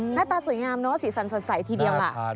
หน้าตาสวยงามเนอะสีสันสดใสทีเดียวล่ะ